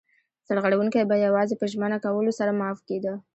سرغړونکی به یوازې په ژمنه کولو سره معاف کېده.